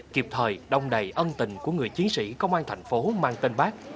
kịp thời đông đầy ân tình của người chiến sĩ công an thành phố mang tên bác